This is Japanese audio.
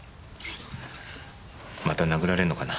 また殴られんのかな。